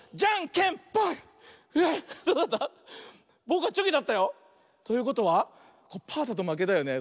ぼくはチョキだったよ。ということはパーだとまけだよね。